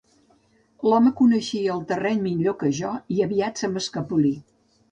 L'home coneixia el terreny millor que jo i aviat se m'escapolí